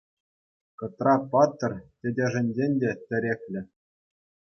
Кӑтра-паттӑр тетӗшӗнчен те тӗреклӗ.